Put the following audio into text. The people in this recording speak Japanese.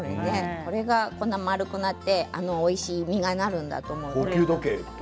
これがこんなふうに丸くなっておいしい実がなるんだと思うと。